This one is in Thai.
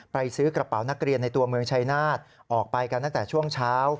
ซื้อกระเป๋านักเรียนในตัวเมืองชายนาฏออกไปกันตั้งแต่ช่วงเช้า